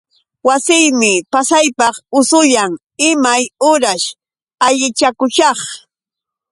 Wasiymi pasaypaq usuyan. Imay uraćh allichakushaq?